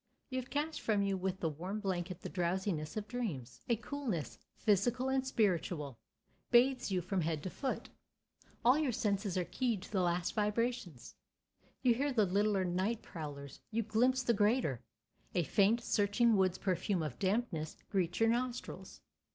You have cast from you with the warm blanket the drowsiness of dreams. A coolness, physical and spiritual, bathes you from head to foot. All your senses are keyed to the last vibrations. You hear the littler night prowlers; you glimpse the greater. A faint, searching woods perfume of dampness greets your nostrils.